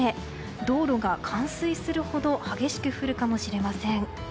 道路が冠水するほど激しく降るかもしれません。